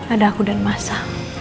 ada aku dan masa